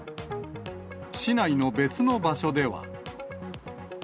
市内の別の場所では。